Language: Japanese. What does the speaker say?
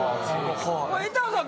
板野さん